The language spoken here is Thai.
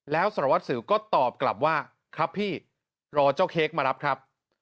แล้วสารวัสสิวก็ตอบกลับว่าครับพี่รอเจ้าเค้กมารับครับ